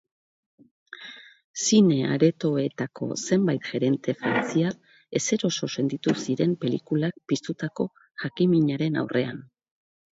Zine aretoetako zenbait gerente frantziar ezeroso sentitu ziren pelikulak piztutako jakinminaren aurrean.